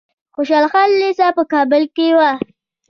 خوشحال خان لیسه په کابل کې وه.